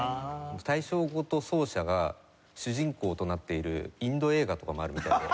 大正琴奏者が主人公となっているインド映画とかもあるみたいで。